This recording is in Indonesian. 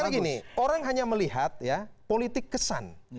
karena gini orang hanya melihat politik kesan